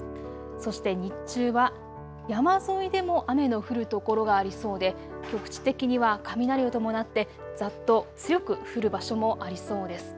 そして日中は山沿いでも雨の降る所がありそうで、局地的には雷を伴ってざっと強く降る場所もありそうです。